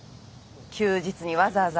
休日にわざわざ。